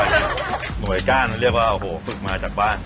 อร่อยดีหน่วยก้าหนูเรียกว่าโอ้โหฝึกมาจากบ้าน